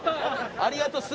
ありがとう。